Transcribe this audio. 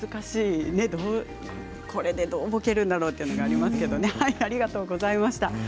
これでどうやってぼけるんだろうということもありますけどありがとうございました。